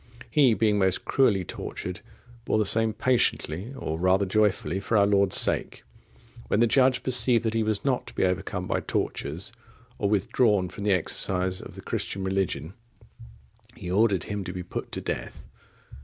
He, being most cruelly tortured, bore the same patiently, or rather joyfully, for our Lord's sake. When the judge perceived that he was not to be overcome by tortures, or withdrawn from the exercise of the Christian religion, he ordered him to be put to death.